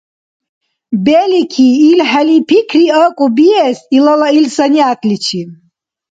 Белики, илхӀели пикри акӀуб биэс илала ил санигӀятличи.